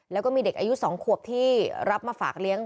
แล้วก็มีเด็กอายุ๒ควบที่รับมาฝากกัน